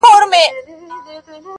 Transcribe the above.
له بري څخه بري ته پاڅېدلی؛